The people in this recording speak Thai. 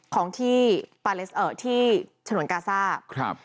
ของที่ฉนวนกาซ่า